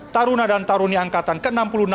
taruna dan taruni angkatan ke enam puluh enam